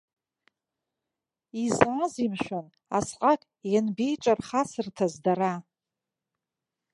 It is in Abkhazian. Изаазеи, мшәан, асҟак ианбеиҿархасырҭаз дара.